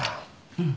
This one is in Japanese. うん。